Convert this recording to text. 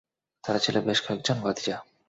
তার ছিল বেশ কয়েকজন ভাতিজা।